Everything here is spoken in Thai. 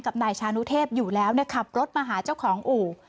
นายชานุเทพอยู่แล้วขับรถมาหาเจ้าของอู่